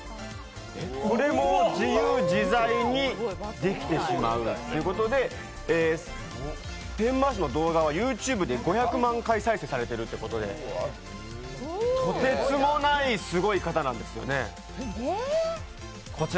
これも自由自在にできてしまうということでペン回しの動画はＹｏｕＴｕｂｅｒで５００万回再生されているということで、とてつもないすごい方なんですよね。